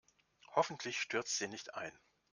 Hoffentlich stürzt sie nicht ein.